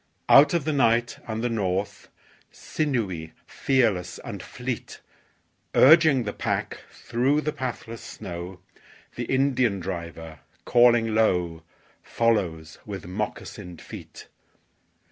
Out of the night and the north, Sinewy, fearless and fleet, Urging the pack through the pathless snow, The Indian driver, calling low, Follows with moccasined feet.